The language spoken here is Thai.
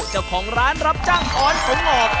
เจ้าของร้านรับจ้างออนผมออก